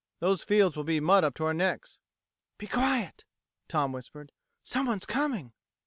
"Those fields will be mud up to our necks." "Be quiet!" Tom whispered. "Someone's coming."